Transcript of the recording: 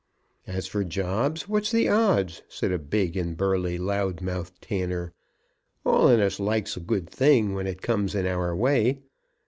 "As for jobs, what's the odds?" said a big and burly loud mouthed tanner. "All on us likes a good thing when it comes in our way.